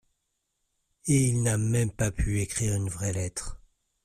Et il n'a même pas pu écrire une vraie lettre.